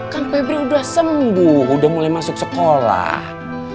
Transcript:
kan febri udah sembuh udah mulai masuk sekolah